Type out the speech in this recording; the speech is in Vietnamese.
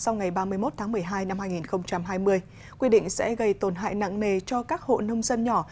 năm hai nghìn hai mươi quy định sẽ gây tổn hại nặng nề cho các hộ nông dân nhỏ